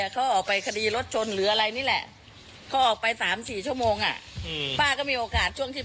ใช่ป้าหยิบออกมาป้าก็ยอมรับว่าป้าหยิบออกมาจริงจริง